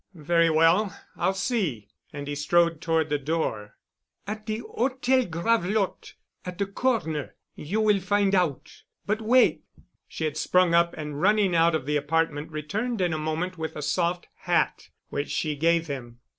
"Very well. I'll see." And he strode toward the door. "At de Hotel Gravelotte—at de corner you will find out, but wait——" She had sprung up and running out of the apartment, returned in a moment with a soft hat, which she gave him.